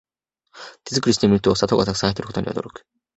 手作りしてみると砂糖がたくさん入ってることに驚く